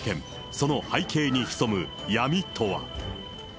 その背景に潜む闇とは。